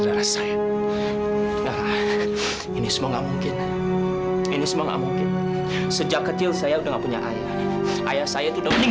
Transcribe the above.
dan aku yakin